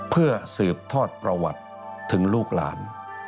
เพื่อสืบทอดประวัติถึงลูกหลาน